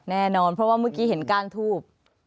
แน่นอนเพราะว่าเมื่อกี้เห็นก้านทูบ